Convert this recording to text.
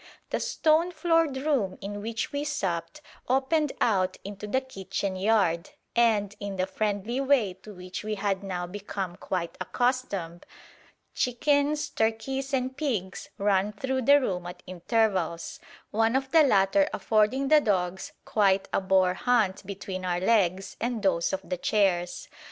The stone floored room in which we supped opened out into the kitchen yard, and, in the friendly way to which we had now become quite accustomed, chickens, turkeys, and pigs ran through the room at intervals; one of the latter affording the dogs quite a boar hunt between our legs and those of the chairs.